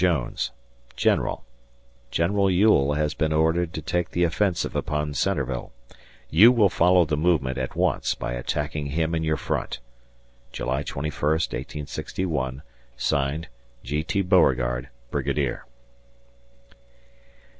Jones, General: General Ewell has been ordered to take the offensive upon Centreville. You will follow the movement at once by attacking him in your front. July 21st, 1861 [Signed] G. T. Beauregard, Brigadier.